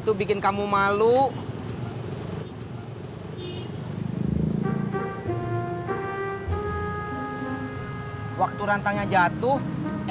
duh wues kamu ada imprison si muda